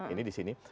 ini di sini